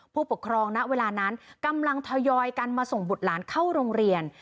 ผู้ปกครองณเวลานั้นกำลังทยอยกันมาส่งบุตรหลานเข้าโรงเรียน